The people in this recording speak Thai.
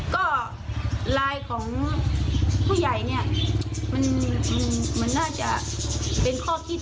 ก็ไลน์ของผู้ใหญ่เนี่ยมันน่าจะเป็นข้อคิด